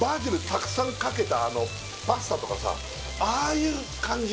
たくさんかけたあのパスタとかさああいう感じ